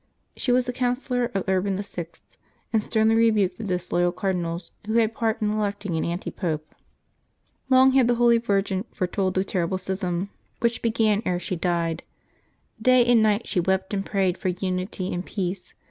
She was the counsellor of Urban VI., and sternly rebuked the disloyal cardinals who had part in electing an antipope. Long had the holy virgin foretold the terrible schism which 164 LIVES OF TEE SAINTS [May 1 began ere she died. Day and niglit she wept and prayed for unity and peace.